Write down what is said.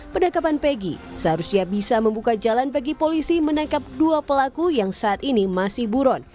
penangkapan peggy seharusnya bisa membuka jalan bagi polisi menangkap dua pelaku yang saat ini masih buron